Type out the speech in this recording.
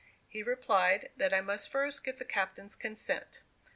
He replied that I must first get the captain's consent.